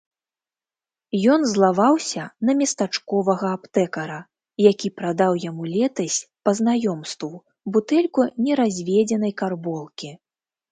Ён злаваўся на местачковага аптэкара, які прадаў яму летась па знаёмству бутэльку неразведзенай карболкі.